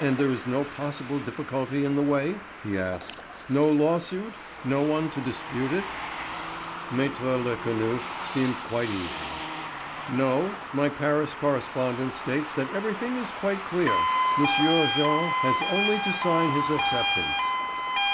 "And there is no possible difficulty in the way?" he asked. "No lawsuit—no one to dispute it?" Maître Lecanu seemed quite easy. "No; my Paris correspondent states that everything is quite clear. M. Jean has only to sign his acceptance."